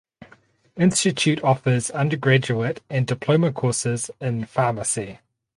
Institute offers undergraduate and diploma courses in pharmacy.